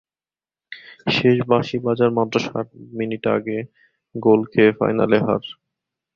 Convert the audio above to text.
শেষ বাঁশি বাজার মাত্র সাত মিনিট আগে গোল খেয়ে ফাইনালে হার।